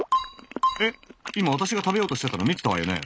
えっ今私が食べようとしてたの見てたわよね。